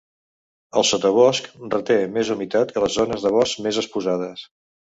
El sotabosc reté més humitat que les zones del bosc més exposades.